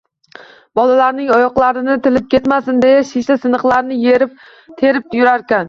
Bolalarning oyoqlarini tilib ketmasin deya shisha siniqlarini terib yurarkan